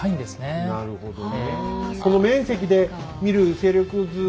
なるほどね。